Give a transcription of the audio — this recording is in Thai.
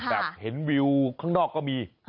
แบบเห็นวิวข้างนอกก็มี